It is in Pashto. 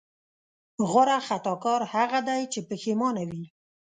غوره خطاکار هغه دی چې پښېمانه وي.